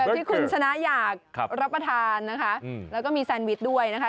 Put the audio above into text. ถนัดอยากรับประทานนะคะแล้วก็มีแซนวิชด้วยนะคะ